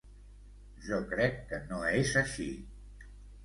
Jo crec que no és així.